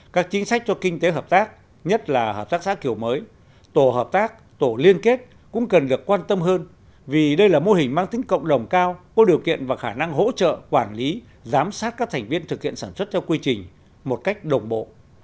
các chính sách cho kinh tế hợp tác nhất là hợp tác xã kiểu mới tổ hợp tác tổ liên kết cũng cần được quan tâm hơn vì đây là mô hình mang tính cộng đồng cao có điều kiện và khả năng hỗ trợ quản lý giám sát các thành viên thực hiện sản xuất theo quy trình một cách đồng bộ